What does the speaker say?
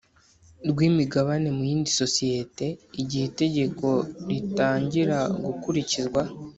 rw imigabane mu yindi sosiyete Igihe itegeko ritangiragukurikizwa